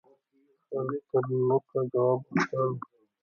سر ترنوکه خوب او خیال وم